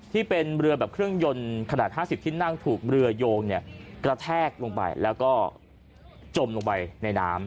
ที่เป็นเรือแบบเครื่องยนต์ขนาด๕๐ที่นั่งถูกเรือโยงเนี่ยกระแทกลงไปแล้วก็จมลงไปในน้ำ